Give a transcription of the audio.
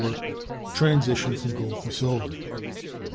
Transition from gold to silver.